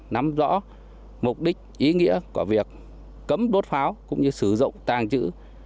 nắm rõ mục đích ý nghĩa của việc cấm đốt pháo cũng như sử dụng tàng trữ